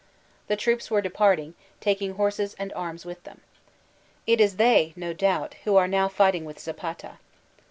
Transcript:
The troops were deserting, taking horses and arms with them. It is they no doubt who are now fighting with Zapata.